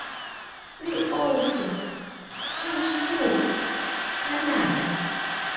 See also "Whose Who, Canada".